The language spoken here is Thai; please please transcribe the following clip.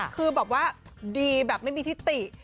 คือแบบว่าดีแบบไม่มีทิติ